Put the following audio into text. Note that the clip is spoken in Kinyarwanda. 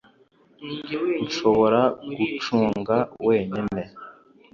nshobora gucunga wenyine